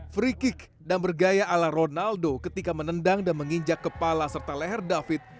free kick dan bergaya ala ronaldo ketika menendang dan menginjak kepala serta leher david